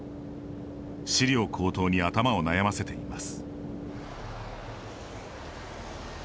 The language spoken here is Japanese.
飼料高騰に頭を悩ませています。